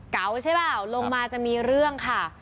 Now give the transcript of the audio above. เก่าใช่เหรอลงมาจะมีเรื่องค่ะ